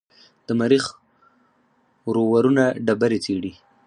د مریخ روورونه ډبرې څېړي.